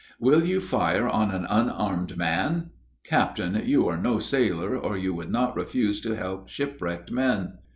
"Will you fire on an unarmed man? Captain, you are no sailor, or you would not refuse to help shipwrecked men."